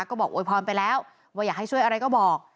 ก็บอกโวยพรไปแล้วว่าอยากให้ช่วยอะไรก็บอก